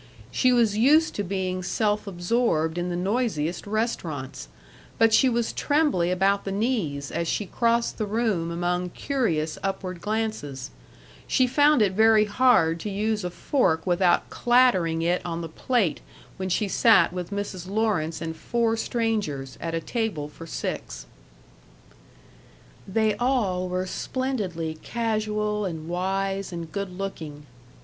She was used to being self absorbed in the noisiest restaurants, but she was trembly about the knees as she crossed the room among curious upward glances; she found it very hard to use a fork without clattering it on the plate when she sat with Mrs. Lawrence and four strangers, at a table for six. They all were splendidly casual and wise and good looking.